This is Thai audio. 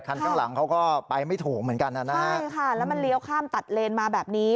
ข้างหลังเขาก็ไปไม่ถูกเหมือนกันนะฮะใช่ค่ะแล้วมันเลี้ยวข้ามตัดเลนมาแบบนี้